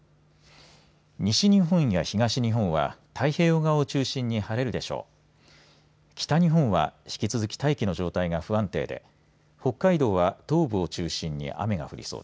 西日本や東日本は太平洋側を中心に晴れるでしょう。